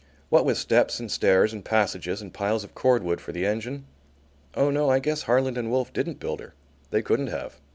What with steps and stairs and passages and piles of cordwood for the engine, oh no, I guess Harland and Wolff didn't build her. They couldn't have.